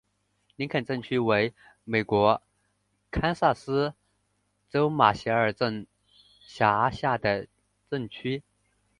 林肯镇区为美国堪萨斯州马歇尔县辖下的镇区。